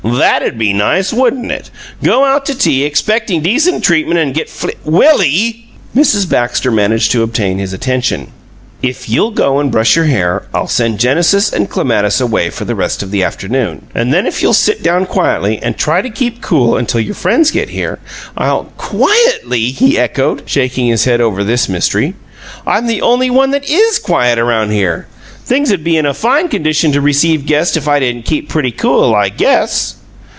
THAT'd be nice, wouldn't it? Go out to tea expecting decent treatment and get fl " "WILLIE!" Mrs. Baxter managed to obtain his attention. "If you'll go and brush your hair I'll send Genesis and Clematis away for the rest of the afternoon. And then if you 'll sit down quietly and try to keep cool until your friends get here, I'll " "'Quietly'!" he echoed, shaking his head over this mystery. "I'm the only one that IS quiet around here. Things 'd be in a fine condition to receive guests if I didn't keep pretty cool, I guess!"